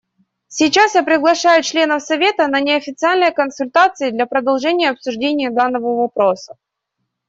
Сейчас я приглашаю членов Совета на неофициальные консультации для продолжения обсуждения данного вопроса.